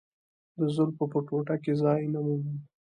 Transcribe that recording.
د زلفو په ټوټه کې ځای نه مومم.